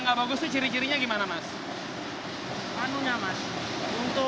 kalau misalnya awak ada dalam metro